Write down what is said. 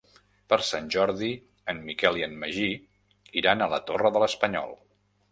Per Sant Jordi en Miquel i en Magí iran a la Torre de l'Espanyol.